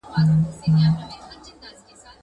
زه له سهاره سړو ته خواړه ورکوم